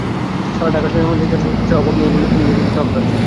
তবে ঢাকা শহরে এমন জায়গার অভাব নেই বলে তিনি কিছুটা হতাশ।